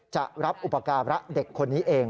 จะรับอุปการะเด็กคนนี้เอง